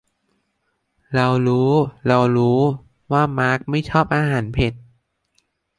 เรารู้เรารู้ว่ามาร์คไม่ชอบอาหารเผ็ด